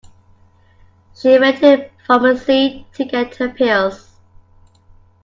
She went to the pharmacy to get her pills.